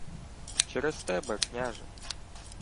— Через тебе, княже.